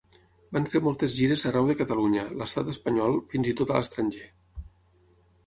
Van fer moltes gires arreu de Catalunya, l'Estat Espanyol, fins i tot a l'estranger.